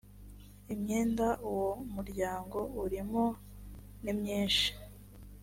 imyenda uwo muryango urimo nimwinshi